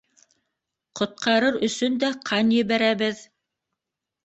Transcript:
Ҡотҡарыр өсөн дә ҡан ебәрәбеҙ!